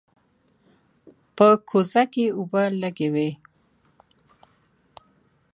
په کوزه کې اوبه لږې وې.